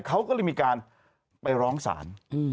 เขาก็เลยมีการไปร้องศาล